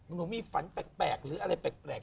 หนูมีฝันแปลกหรืออะไรแปลก